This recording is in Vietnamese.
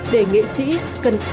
để nghệ sĩ cần ý